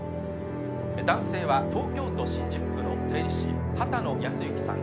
「男性は東京都新宿区の税理士秦野靖之さん